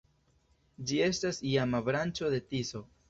Ĝi estas iama branĉo de Tiso.